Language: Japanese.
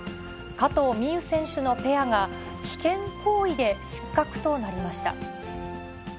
加藤未唯選手のペアが、危険行為で失格となりました。